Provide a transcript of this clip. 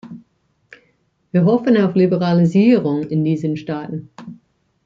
Wir hoffen auf Liberalisierung in diesen Staaten.